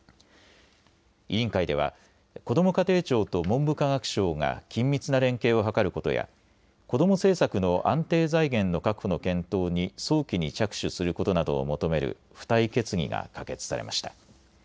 委員会では、こども家庭庁と文部科学省が緊密な連携を図ることや子ども政策の安定財源の確保の検討に早期に着手することなどを求める付帯決議が可決されました。